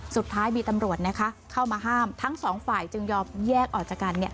สุดท้ายมีตำรวจนะคะเข้ามาห้ามทั้งสองฝ่ายจึงยอมแยกออกจากกันเนี่ย